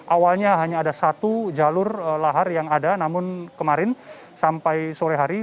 awalnya hanya ada satu jalur lahar yang ada namun kemarin sampai sore hari